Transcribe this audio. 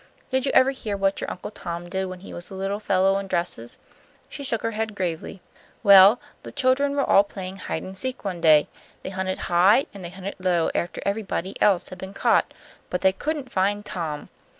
"Did you ever hear what your Uncle Tom did when he was a little fellow in dresses?" She shook her head gravely. "Well, the children were all playing hide and seek one day. They hunted high and they hunted low after everybody else had been caught, but they couldn't find Tom.